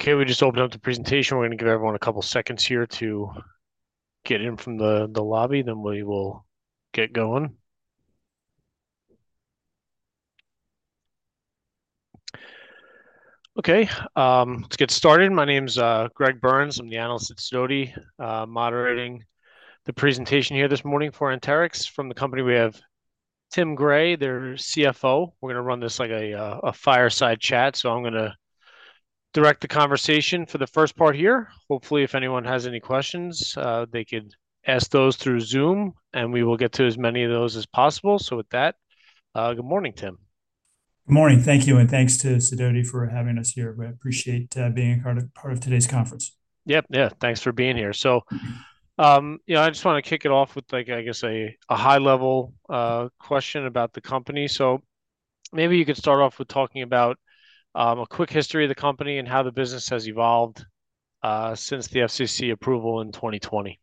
Okay, we just opened up the presentation. We're going to give everyone a couple seconds here to get in from the lobby, then we will get going. Okay, let's get started. My name's Greg Burns. I'm the analyst at Sidoti, moderating the presentation here this morning for Anterix from the company. We have Tim Gray, their CFO. We're going to run this like a fireside chat, so I'm going to direct the conversation for the first part here. Hopefully, if anyone has any questions, they could ask those through Zoom, and we will get to as many of those as possible. So with that, good morning, Tim. Good morning. Thank you. Thanks to Sidoti for having us here. We appreciate being a part of today's conference. Yep. Yeah. Thanks for being here. So I just want to kick it off with, I guess, a high-level question about the company. So maybe you could start off with talking about a quick history of the company and how the business has evolved since the FCC approval in 2020.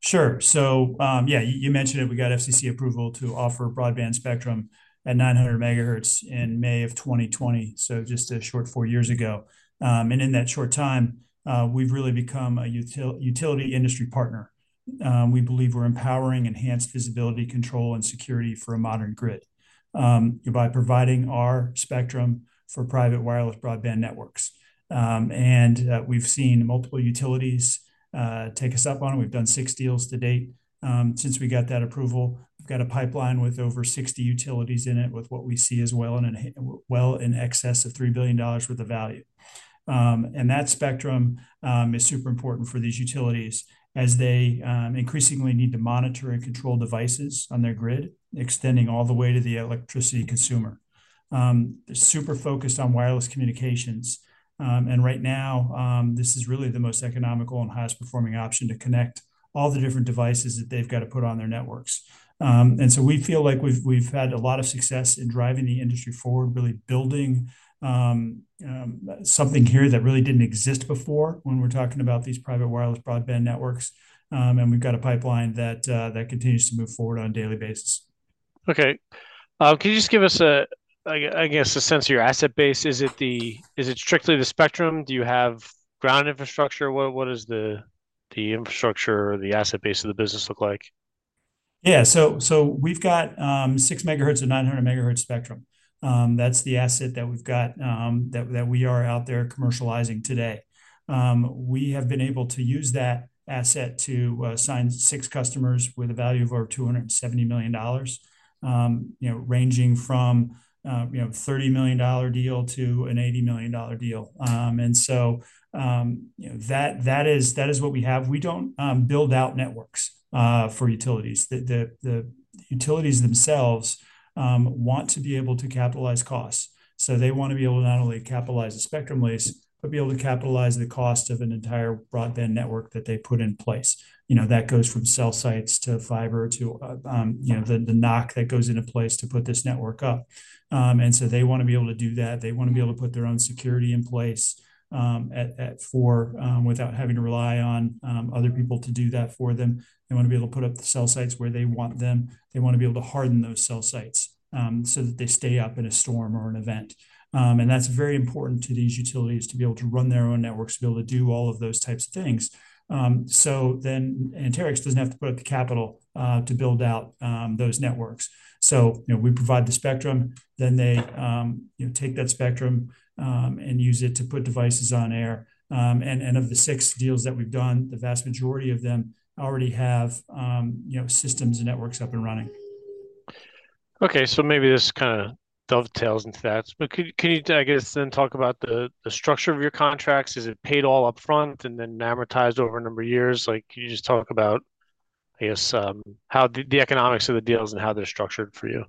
Sure. So yeah, you mentioned it. We got FCC approval to offer broadband spectrum at 900 megahertz in May of 2020, so just a short four years ago. And in that short time, we've really become a utility industry partner. We believe we're empowering, enhanced visibility, control, and security for a modern grid by providing our spectrum for private wireless broadband networks. And we've seen multiple utilities take us up on it. We've done six deals to date since we got that approval. We've got a pipeline with over 60 utilities in it with what we see as well in excess of $3 billion worth of value. And that spectrum is super important for these utilities as they increasingly need to monitor and control devices on their grid, extending all the way to the electricity consumer. They're super focused on wireless communications. Right now, this is really the most economical and highest performing option to connect all the different devices that they've got to put on their networks. So we feel like we've had a lot of success in driving the industry forward, really building something here that really didn't exist before when we're talking about these private wireless broadband networks. We've got a pipeline that continues to move forward on a daily basis. Okay. Can you just give us, I guess, a sense of your asset base? Is it strictly the spectrum? Do you have ground infrastructure? What does the infrastructure or the asset base of the business look like? Yeah. So we've got 6 megahertz of 900 megahertz spectrum. That's the asset that we've got that we are out there commercializing today. We have been able to use that asset to sign 6 customers with a value of over $270 million, ranging from a $30 million deal to an $80 million deal. And so that is what we have. We don't build out networks for utilities. The utilities themselves want to be able to capitalize costs. So they want to be able to not only capitalize the spectrum lease, but be able to capitalize the cost of an entire broadband network that they put in place. That goes from cell sites to fiber to the NOC that goes into place to put this network up. And so they want to be able to do that. They want to be able to put their own security in place without having to rely on other people to do that for them. They want to be able to put up the cell sites where they want them. They want to be able to harden those cell sites so that they stay up in a storm or an event. And that's very important to these utilities to be able to run their own networks, to be able to do all of those types of things. So then Anterix doesn't have to put up the capital to build out those networks. So we provide the spectrum. Then they take that spectrum and use it to put devices on air. And of the 6 deals that we've done, the vast majority of them already have systems and networks up and running. Okay. So maybe this kind of dovetails into that. But can you, I guess, then talk about the structure of your contracts? Is it paid all upfront and then amortized over a number of years? Can you just talk about, I guess, how the economics of the deals and how they're structured for you?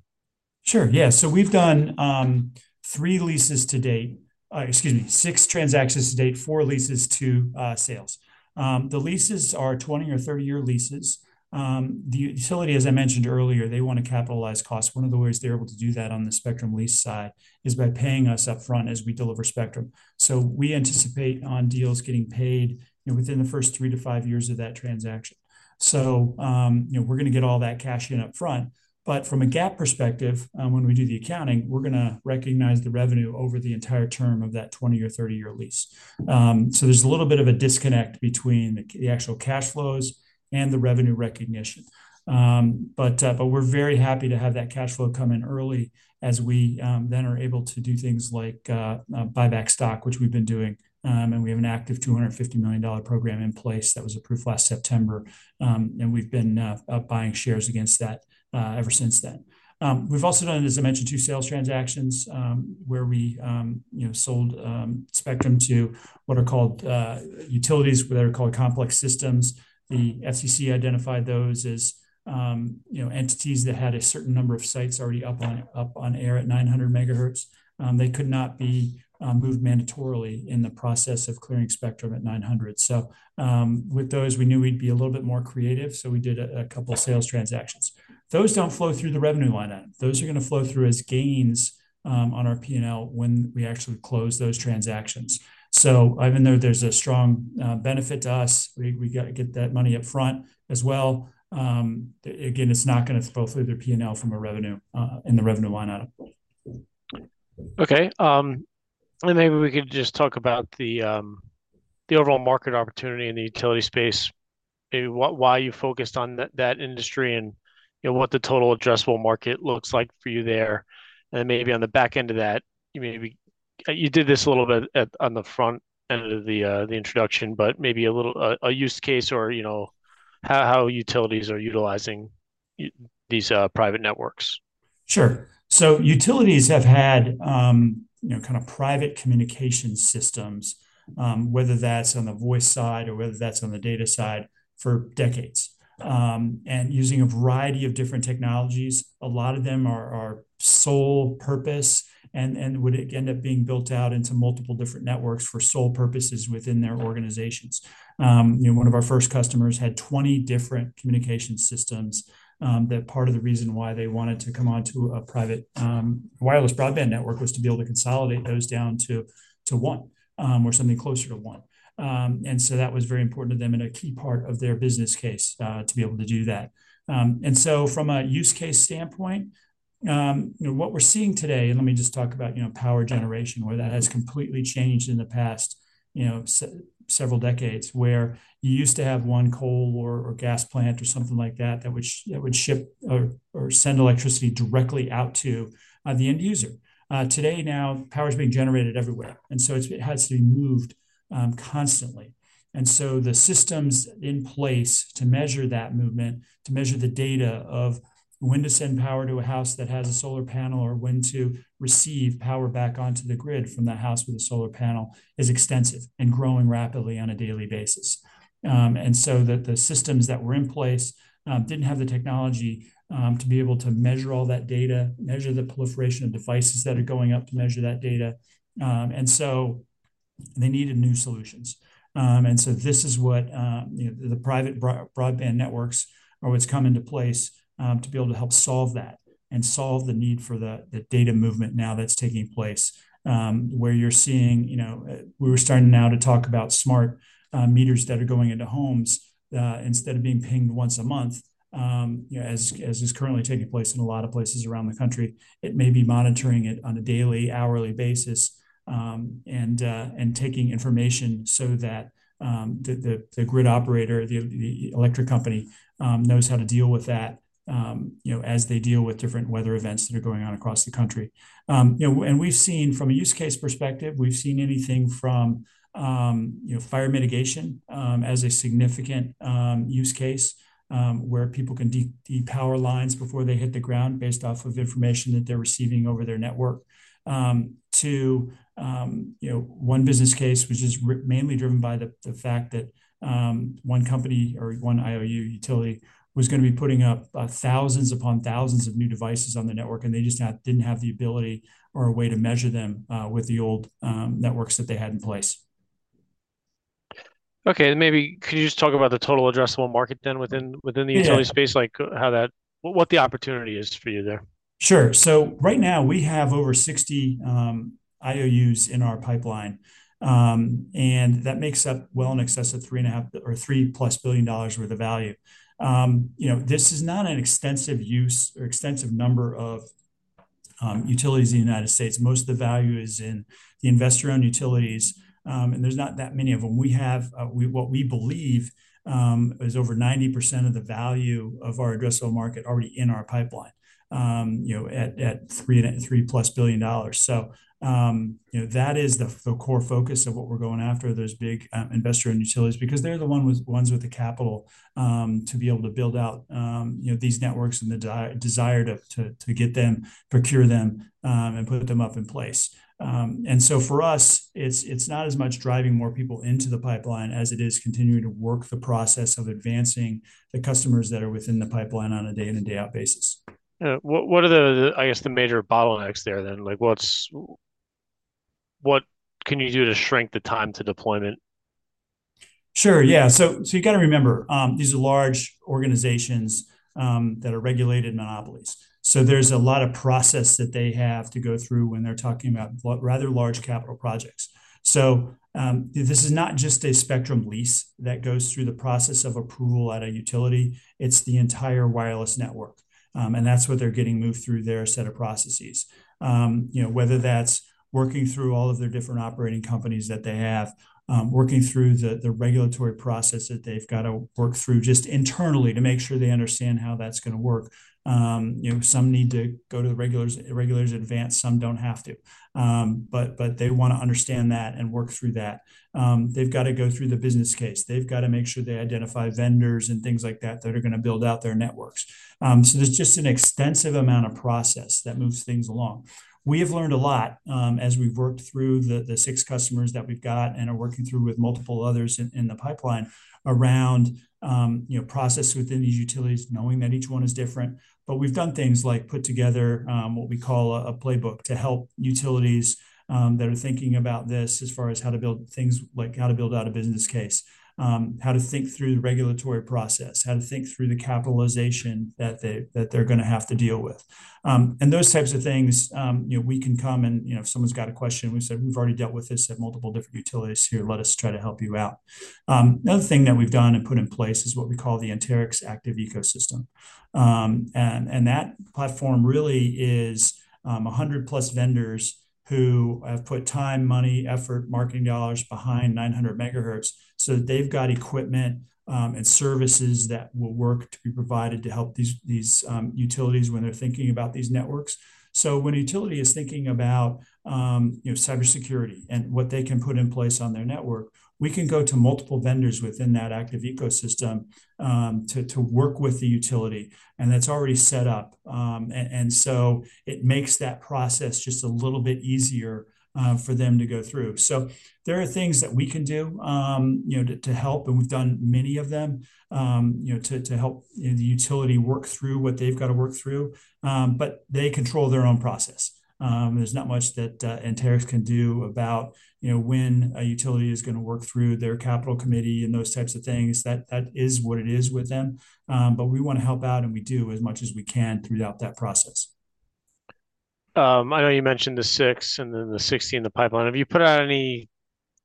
Sure. Yeah. So we've done 3 leases to date—excuse me, 6 transactions to date, 4 leases to sales. The leases are 20- or 30-year leases. The utility, as I mentioned earlier, they want to capitalize costs. One of the ways they're able to do that on the spectrum lease side is by paying us upfront as we deliver spectrum. So we anticipate on deals getting paid within the first 3-5 years of that transaction. So we're going to get all that cash in upfront. But from a GAAP perspective, when we do the accounting, we're going to recognize the revenue over the entire term of that 20- or 30-year lease. So there's a little bit of a disconnect between the actual cash flows and the revenue recognition. But we're very happy to have that cash flow come in early as we then are able to do things like buyback stock, which we've been doing. We have an active $250 million program in place that was approved last September. We've been buying shares against that ever since then. We've also done, as I mentioned, 2 sales transactions where we sold spectrum to what are called utilities that are called Complex Systems. The FCC identified those as entities that had a certain number of sites already up on air at 900 megahertz. They could not be moved mandatorily in the process of clearing spectrum at 900. So with those, we knew we'd be a little bit more creative. So we did a couple of sales transactions. Those don't flow through the revenue line item. Those are going to flow through as gains on our P&L when we actually close those transactions. So even though there's a strong benefit to us, we get that money upfront as well. Again, it's not going to flow through their P&L from the revenue line item. Okay. And maybe we could just talk about the overall market opportunity in the utility space, maybe why you focused on that industry and what the total addressable market looks like for you there. And then maybe on the back end of that, you did this a little bit on the front end of the introduction, but maybe a use case or how utilities are utilizing these private networks. Sure. So utilities have had kind of private communication systems, whether that's on the voice side or whether that's on the data side, for decades. And using a variety of different technologies, a lot of them are sole purpose and would end up being built out into multiple different networks for sole purposes within their organizations. One of our first customers had 20 different communication systems. That part of the reason why they wanted to come onto a private wireless broadband network was to be able to consolidate those down to one or something closer to one. And so that was very important to them and a key part of their business case to be able to do that. From a use case standpoint, what we're seeing today, and let me just talk about power generation, where that has completely changed in the past several decades, where you used to have one coal or gas plant or something like that that would ship or send electricity directly out to the end user, today, now, power is being generated everywhere. It has to be moved constantly. The systems in place to measure that movement, to measure the data of when to send power to a house that has a solar panel or when to receive power back onto the grid from that house with a solar panel, is extensive and growing rapidly on a daily basis. The systems that were in place didn't have the technology to be able to measure all that data, measure the proliferation of devices that are going up to measure that data. They needed new solutions. This is what the private broadband networks are what's come into place to be able to help solve that and solve the need for the data movement now that's taking place where you're seeing—we were starting now to talk about smart meters that are going into homes instead of being pinged once a month, as is currently taking place in a lot of places around the country—it may be monitoring it on a daily, hourly basis and taking information so that the grid operator, the electric company, knows how to deal with that as they deal with different weather events that are going on across the country. We've seen, from a use case perspective, we've seen anything from fire mitigation as a significant use case where people can depower lines before they hit the ground based off of information that they're receiving over their network to one business case which is mainly driven by the fact that one company or one IOU utility was going to be putting up thousands upon thousands of new devices on the network, and they just didn't have the ability or a way to measure them with the old networks that they had in place. Okay. Maybe could you just talk about the total addressable market then within the utility space, what the opportunity is for you there? Sure. So right now, we have over 60 IOUs in our pipeline. And that makes up well in excess of $3.5 or 3+ billion dollars worth of value. This is not an extensive use or extensive number of utilities in the United States. Most of the value is in the investor-owned utilities. And there's not that many of them. What we believe is over 90% of the value of our addressable market already in our pipeline at $3+ billion dollars. So that is the core focus of what we're going after, those big investor-owned utilities, because they're the ones with the capital to be able to build out these networks and the desire to get them, procure them, and put them up in place. And so for us, it's not as much driving more people into the pipeline as it is continuing to work the process of advancing the customers that are within the pipeline on a day-in and day-out basis. What are the, I guess, the major bottlenecks there then? What can you do to shrink the time to deployment? Sure. Yeah. So you got to remember, these are large organizations that are regulated monopolies. So there's a lot of process that they have to go through when they're talking about rather large capital projects. So this is not just a spectrum lease that goes through the process of approval at a utility. It's the entire wireless network. And that's what they're getting moved through their set of processes, whether that's working through all of their different operating companies that they have, working through the regulatory process that they've got to work through just internally to make sure they understand how that's going to work. Some need to go to the regulators in advance. Some don't have to. But they want to understand that and work through that. They've got to go through the business case. They've got to make sure they identify vendors and things like that that are going to build out their networks. So there's just an extensive amount of process that moves things along. We have learned a lot as we've worked through the six customers that we've got and are working through with multiple others in the pipeline around processes within these utilities, knowing that each one is different. But we've done things like put together what we call a playbook to help utilities that are thinking about this as far as how to build things, like how to build out a business case, how to think through the regulatory process, how to think through the capitalization that they're going to have to deal with. And those types of things, we can come, and if someone's got a question, we've said, "We've already dealt with this at multiple different utilities here. Let us try to help you out." Another thing that we've done and put in place is what we call the Anterix Active Ecosystem. And that platform really is 100+ vendors who have put time, money, effort, marketing dollars behind 900 megahertz so that they've got equipment and services that will work to be provided to help these utilities when they're thinking about these networks. So when a utility is thinking about cybersecurity and what they can put in place on their network, we can go to multiple vendors within that active ecosystem to work with the utility. And that's already set up. And so it makes that process just a little bit easier for them to go through. So there are things that we can do to help, and we've done many of them to help the utility work through what they've got to work through. But they control their own process. There's not much that Anterix can do about when a utility is going to work through their capital committee and those types of things. That is what it is with them. But we want to help out, and we do as much as we can throughout that process. I know you mentioned the 6 and then the 60 in the pipeline. Have you put out any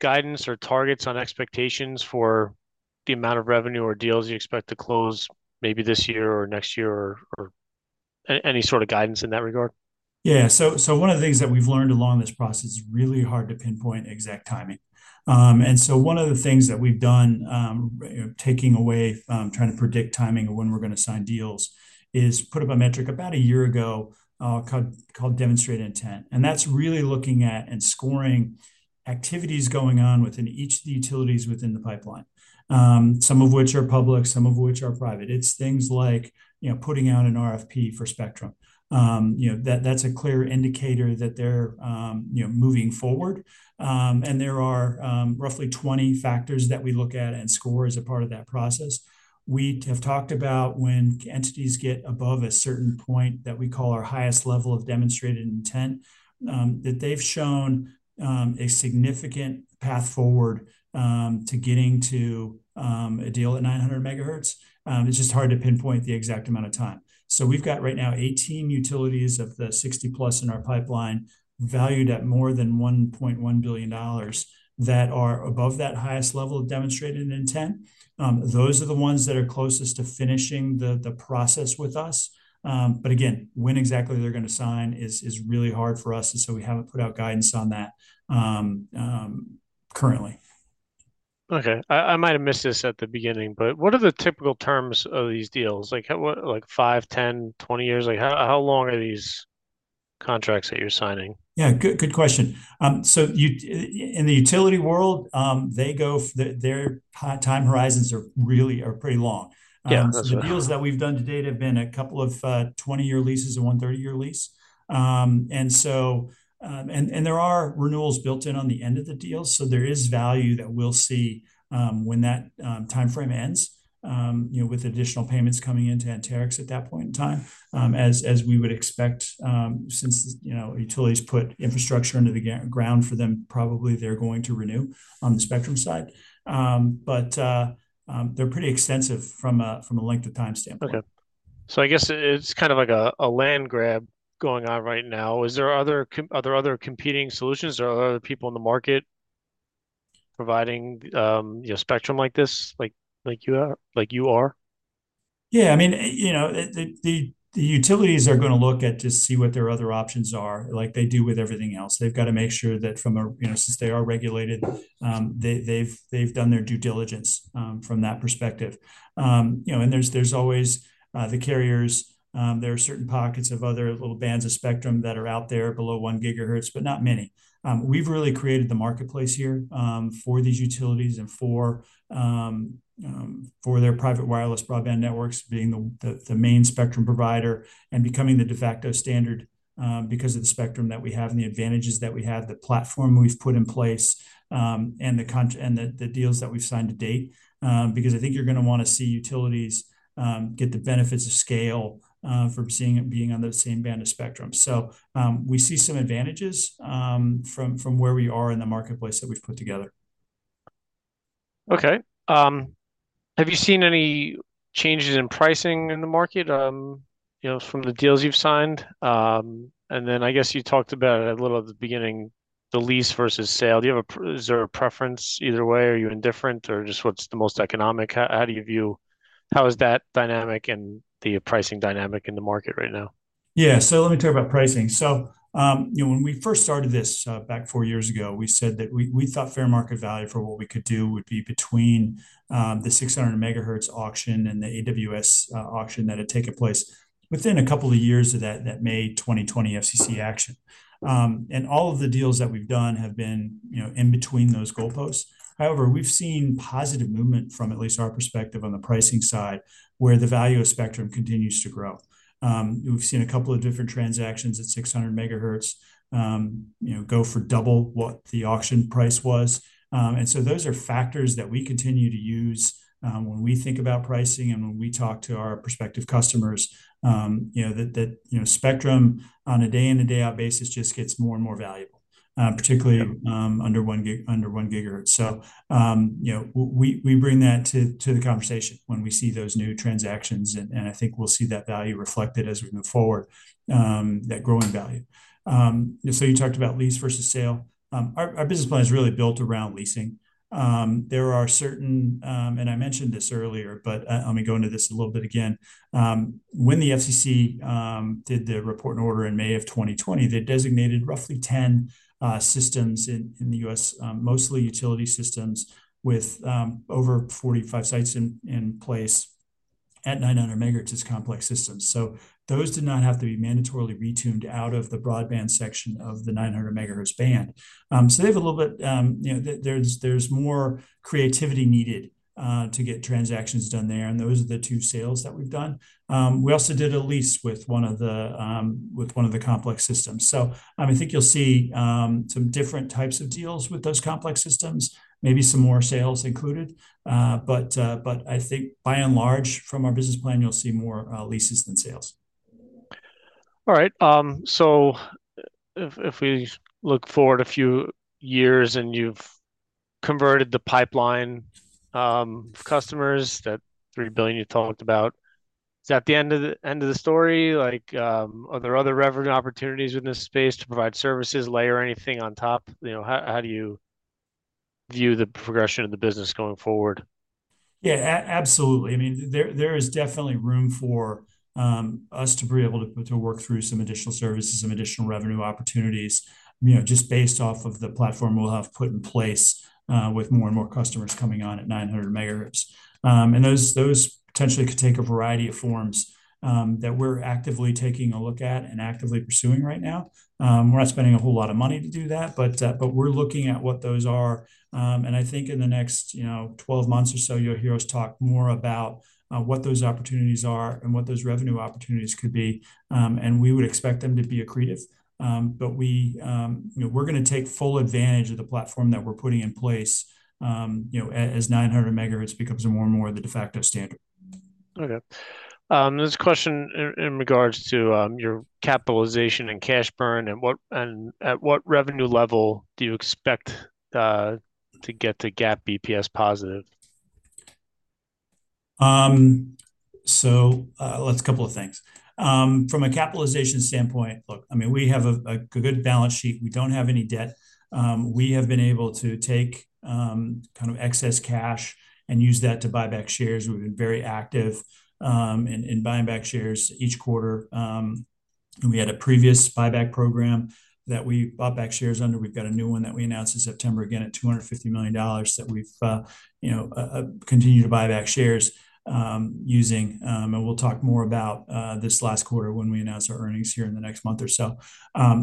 guidance or targets on expectations for the amount of revenue or deals you expect to close maybe this year or next year or any sort of guidance in that regard? Yeah. So one of the things that we've learned along this process is really hard to pinpoint exact timing. And so one of the things that we've done, taking away trying to predict timing of when we're going to sign deals, is put up a metric about a year ago called Demonstrated Intent. And that's really looking at and scoring activities going on within each of the utilities within the pipeline, some of which are public, some of which are private. It's things like putting out an RFP for spectrum. That's a clear indicator that they're moving forward. And there are roughly 20 factors that we look at and score as a part of that process. We have talked about when entities get above a certain point that we call our highest level of Demonstrated Intent, that they've shown a significant path forward to getting to a deal at 900 megahertz. It's just hard to pinpoint the exact amount of time. So we've got right now 18 utilities of the 60-plus in our pipeline valued at more than $1.1 billion that are above that highest level of Demonstrated Intent. Those are the ones that are closest to finishing the process with us. But again, when exactly they're going to sign is really hard for us. And so we haven't put out guidance on that currently. Okay. I might have missed this at the beginning, but what are the typical terms of these deals? Like 5, 10, 20 years? How long are these contracts that you're signing? Yeah. Good question. So in the utility world, their time horizons are really pretty long. The deals that we've done to date have been a couple of 20-year leases and 130-year leases. And there are renewals built in on the end of the deal. So there is value that we'll see when that timeframe ends with additional payments coming into Anterix at that point in time, as we would expect. Since utilities put infrastructure into the ground for them, probably they're going to renew on the spectrum side. But they're pretty extensive from a length of time standpoint. Okay. So I guess it's kind of like a land grab going on right now. Are there other competing solutions? Are there other people in the market providing spectrum like this like you are? Yeah. I mean, the utilities are going to look at to see what their other options are, like they do with everything else. They've got to make sure that, from a since they are regulated, they've done their due diligence from that perspective. And there's always the carriers. There are certain pockets of other little bands of spectrum that are out there below 1 gigahertz, but not many. We've really created the marketplace here for these utilities and for their private wireless broadband networks being the main spectrum provider and becoming the de facto standard because of the spectrum that we have and the advantages that we have, the platform we've put in place, and the deals that we've signed to date. Because I think you're going to want to see utilities get the benefits of scale from being on the same band of spectrum. So we see some advantages from where we are in the marketplace that we've put together. Okay. Have you seen any changes in pricing in the market from the deals you've signed? And then I guess you talked about a little at the beginning, the lease versus sale. Is there a preference either way? Are you indifferent, or just what's the most economic? How do you view how is that dynamic and the pricing dynamic in the market right now? Yeah. So let me talk about pricing. So when we first started this back four years ago, we said that we thought fair market value for what we could do would be between the 600 megahertz auction and the AWS auction that had taken place within a couple of years of that May 2020 FCC action. And all of the deals that we've done have been in between those goalposts. However, we've seen positive movement from at least our perspective on the pricing side where the value of spectrum continues to grow. We've seen a couple of different transactions at 600 megahertz go for double what the auction price was. And so those are factors that we continue to use when we think about pricing and when we talk to our prospective customers that spectrum on a day-in and day-out basis just gets more and more valuable, particularly under 1 gigahertz. So we bring that to the conversation when we see those new transactions. And I think we'll see that value reflected as we move forward, that growing value. So you talked about lease versus sale. Our business plan is really built around leasing. There are certain and I mentioned this earlier, but let me go into this a little bit again. When the FCC did the report and order in May of 2020, they designated roughly 10 systems in the U.S., mostly utility systems with over 45 sites in place at 900 megahertz as complex systems. So those did not have to be mandatorily retuned out of the broadband section of the 900 megahertz band. So they have a little bit, there's more creativity needed to get transactions done there. And those are the two sales that we've done. We also did a lease with one of the Complex Systems. So I think you'll see some different types of deals with those Complex Systems, maybe some more sales included. But I think by and large, from our business plan, you'll see more leases than sales. All right. So if we look forward a few years and you've converted the pipeline of customers, that $3 billion you talked about, is that the end of the story? Are there other revenue opportunities in this space to provide services, layer anything on top? How do you view the progression of the business going forward? Yeah, absolutely. I mean, there is definitely room for us to be able to work through some additional services, some additional revenue opportunities just based off of the platform we'll have put in place with more and more customers coming on at 900 megahertz. Those potentially could take a variety of forms that we're actively taking a look at and actively pursuing right now. We're not spending a whole lot of money to do that, but we're looking at what those are. I think in the next 12 months or so, you'll hear us talk more about what those opportunities are and what those revenue opportunities could be. We would expect them to be accretive. But we're going to take full advantage of the platform that we're putting in place as 900 megahertz becomes more and more the de facto standard. Okay. This question in regards to your capitalization and cash burn. At what revenue level do you expect to get to GAAP BPS positive? So that's a couple of things. From a capitalization standpoint, look, I mean, we have a good balance sheet. We don't have any debt. We have been able to take kind of excess cash and use that to buy back shares. We've been very active in buying back shares each quarter. We had a previous buyback program that we bought back shares under. We've got a new one that we announced in September again at $250 million that we've continued to buy back shares using. And we'll talk more about this last quarter when we announce our earnings here in the next month or so.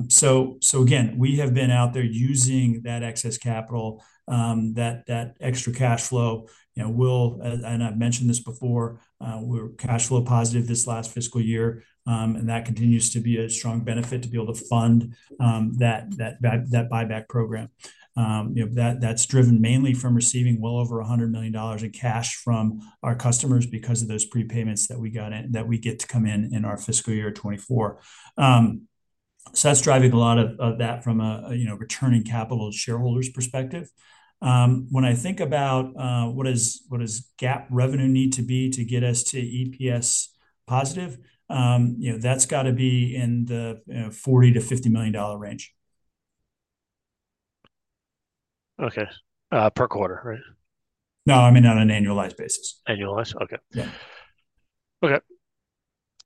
So again, we have been out there using that excess capital, that extra cash flow. And I've mentioned this before. We're cash flow positive this last fiscal year. And that continues to be a strong benefit to be able to fund that buyback program. That's driven mainly from receiving well over $100 million in cash from our customers because of those prepayments that we get to come in our fiscal year 2024. So that's driving a lot of that from a returning capital shareholders perspective. When I think about what does GAAP revenue need to be to get us to EPS positive, that's got to be in the $40 million-$50 million range. Okay. Per quarter, right? No, I mean, on an annualized basis. Annualized? Okay. Okay.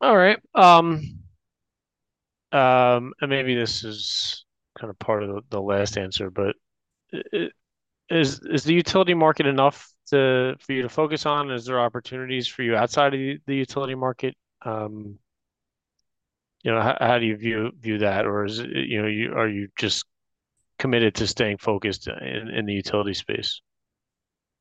All right. And maybe this is kind of part of the last answer, but is the utility market enough for you to focus on? Is there opportunities for you outside of the utility market? How do you view that, or are you just committed to staying focused in the utility space?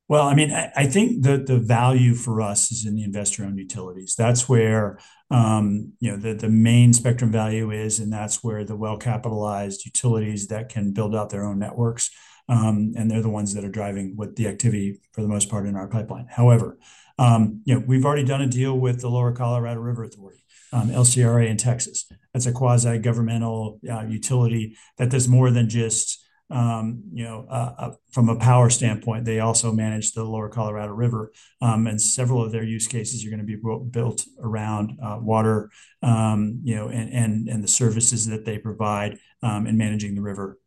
Well, I mean, I think the value for us is in the investor-owned utilities. That's where the main spectrum value is. That's where the well-capitalized utilities that can build out their own networks. They're the ones that are driving the activity for the most part in our pipeline. However, we've already done a deal with the Lower Colorado River Authority, LCRA in Texas. That's a quasi-governmental utility that does more than just from a power standpoint, they also manage the Lower Colorado River. Several of their use cases are going to be built around water and the services that they provide in managing the river.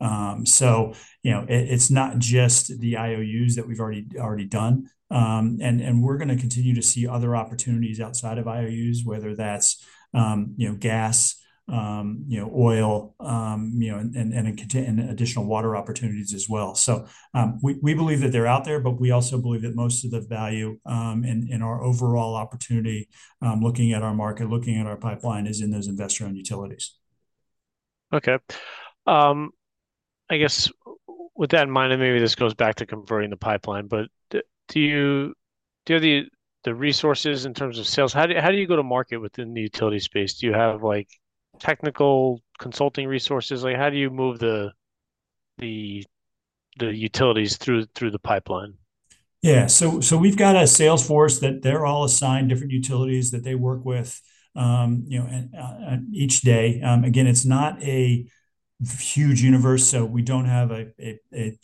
So it's not just the IOUs that we've already done. We're going to continue to see other opportunities outside of IOUs, whether that's gas, oil, and additional water opportunities as well. So we believe that they're out there, but we also believe that most of the value in our overall opportunity, looking at our market, looking at our pipeline, is in those Investor-Owned Utilities. Okay. I guess with that in mind, and maybe this goes back to converting the pipeline, but do you have the resources in terms of sales? How do you go to market within the utility space? Do you have technical consulting resources? How do you move the utilities through the pipeline? Yeah. So we've got a sales force that they're all assigned different utilities that they work with each day. Again, it's not a huge universe, so we don't have a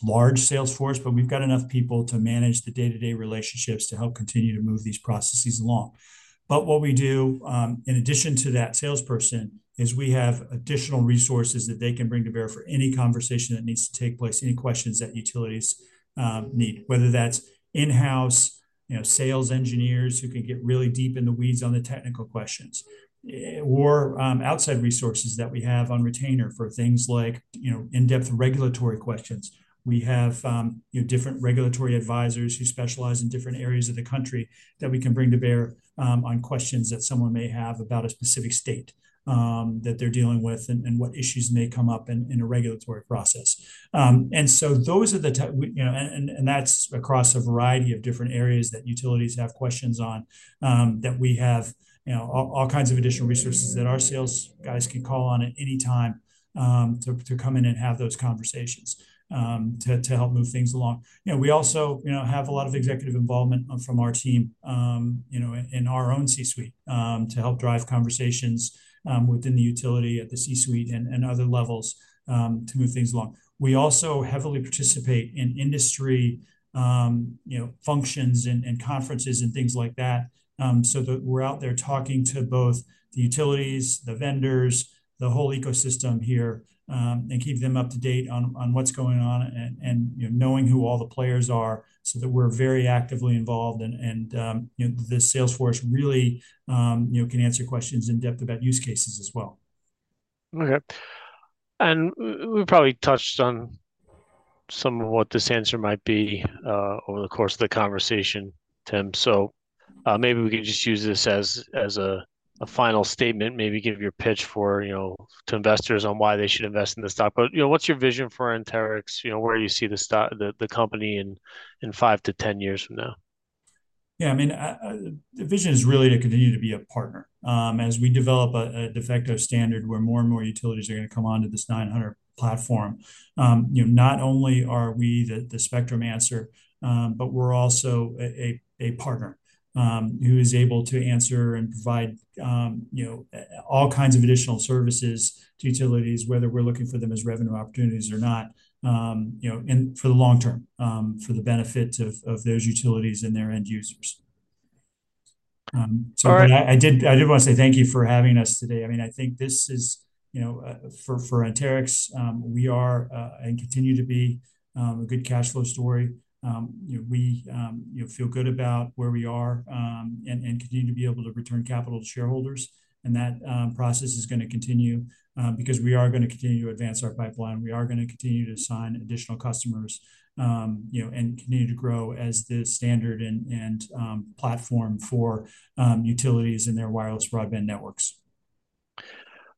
large sales force, but we've got enough people to manage the day-to-day relationships to help continue to move these processes along. But what we do, in addition to that salesperson, is we have additional resources that they can bring to bear for any conversation that needs to take place, any questions that utilities need, whether that's in-house sales engineers who can get really deep in the weeds on the technical questions, or outside resources that we have on retainer for things like in-depth regulatory questions. We have different regulatory advisors who specialize in different areas of the country that we can bring to bear on questions that someone may have about a specific state that they're dealing with and what issues may come up in a regulatory process. And so those are, and that's across a variety of different areas that utilities have questions on that we have all kinds of additional resources that our sales guys can call on at any time to come in and have those conversations to help move things along. We also have a lot of executive involvement from our team in our own C-suite to help drive conversations within the utility at the C-suite and other levels to move things along. We also heavily participate in industry functions and conferences and things like that so that we're out there talking to both the utilities, the vendors, the whole ecosystem here and keep them up to date on what's going on and knowing who all the players are so that we're very actively involved and the sales force really can answer questions in depth about use cases as well. Okay. And we've probably touched on some of what this answer might be over the course of the conversation, Tim. So maybe we could just use this as a final statement, maybe give your pitch to investors on why they should invest in this stock. But what's your vision for Anterix? Where do you see the company in 5-10 years from now? Yeah. I mean, the vision is really to continue to be a partner. As we develop a de facto standard where more and more utilities are going to come onto this 900 platform, not only are we the spectrum answer, but we're also a partner who is able to answer and provide all kinds of additional services to utilities, whether we're looking for them as revenue opportunities or not, and for the long term, for the benefit of those utilities and their end users. So I did want to say thank you for having us today. I mean, I think this is for Anterix, we are and continue to be a good cash flow story. We feel good about where we are and continue to be able to return capital to shareholders. That process is going to continue because we are going to continue to advance our pipeline. We are going to continue to sign additional customers and continue to grow as the standard and platform for utilities in their wireless broadband networks.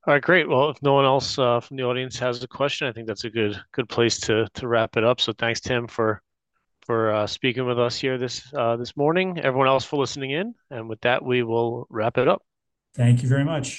All right. Great. Well, if no one else from the audience has a question, I think that's a good place to wrap it up. So thanks, Tim, for speaking with us here this morning. Everyone else for listening in. And with that, we will wrap it up. Thank you very much.